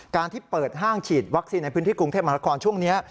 ที่เปิดห้างฉีดวัคซีนในพื้นที่กรุงเทพมหานครช่วงนี้